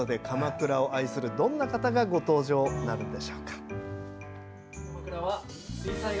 鎌倉を愛するどんな方がご登場となるんでしょうか。